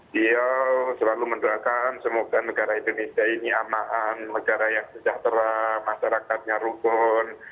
beliau selalu mendoakan semoga negara indonesia ini aman negara yang sejahtera masyarakatnya rukun